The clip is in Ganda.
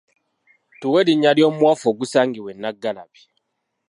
Tuwe erinnya ly’omuwafu ogusangibwa e Nnaggalabi